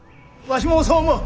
わしもそう思う。